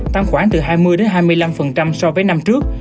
tăng khoảng từ hai mươi hai mươi năm so với năm trước